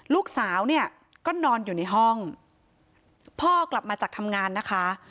ลูกสาวเนี่ยก็นอนอยู่ในห้องพ่อกลับมาจากทำงานนะคะ